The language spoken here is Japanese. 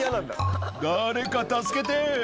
「誰か助けて！」